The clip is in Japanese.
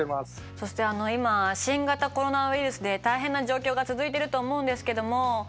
そして今新型コロナウイルスで大変な状況が続いてると思うんですけども。